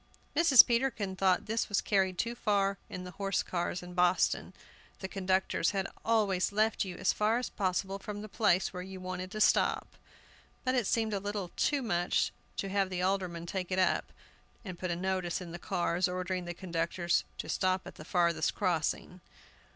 Mrs. Peterkin thought this was carried too far in the horse cars in Boston. The conductors had always left you as far as possible from the place where you wanted to stop; but it seemed a little too much to have the aldermen take it up, and put a notice in the cars, ordering the conductors "to stop at the farthest crossing."